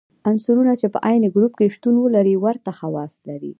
عنصرونه چې په عین ګروپ کې شتون ولري ورته خواص لري.